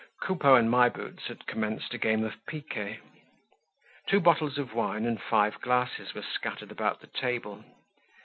Coupeau and My Boots had commenced a game of piquet. Two bottles of wine and five glasses were scattered about the table.